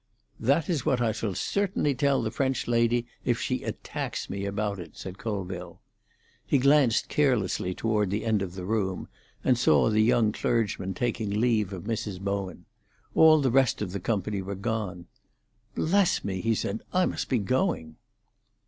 "That is what I shall certainly tell the French lady if she attacks me about it," said Colville. He glanced carelessly toward the end of the room, and saw the young clergyman taking leave of Mrs. Bowen; all the rest of the company were gone. "Bless me!" he said, "I must be going."